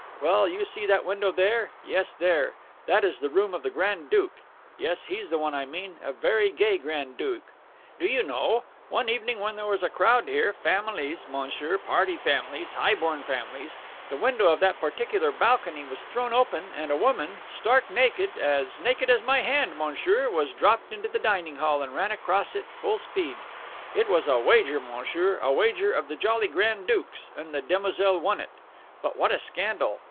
Well, you see that window there? yes, there that is the room of a grand duke yes, he's the one I mean a very gay grand duke. Do you know, one evening when there was a great crowd here families, monsieur, family parties, high born families the window of that particular balcony was thrown open, and a woman stark naked, as naked as my hand, monsieur, was dropped into the dining hall and ran across it full speed. It was a wager, monsieur, a wager of the jolly grand duke's, and the demoiselle won it. But what a scandal!